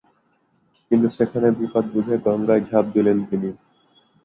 কিন্তু সেখানে বিপদ বুঝে গঙ্গায় ঝাঁপ দিলেন তিনি।